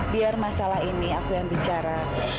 biar masalah ini aku yang bicara